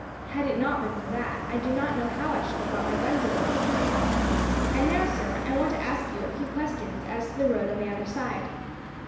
Had it not been for that, I do not know how I should have got my guns along. "And now, sir, I want to ask you a few questions as to the road on the other side.